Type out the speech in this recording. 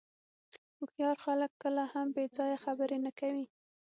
هوښیار خلک کله هم بې ځایه خبرې نه کوي.